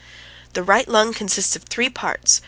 ... "The right lung consists of three parts